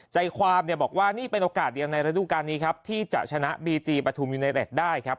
ใจความเนี่ยบอกว่านี่เป็นโอกาสเดียวในระดูการนี้ครับที่จะชนะบีจีปฐุมยูเนเต็ดได้ครับ